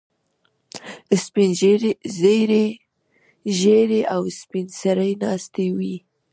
سپین ږیري او سپین سرې ناستې وي.